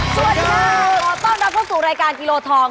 สวัสดีค่ะขอต้อนรับเข้าสู่รายการกิโลทอง